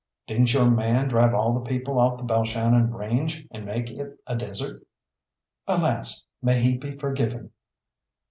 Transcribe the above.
"Didn't your man drive all the people off the Balshannon range, and make it a desert?" "Alas! may he be forgiven!"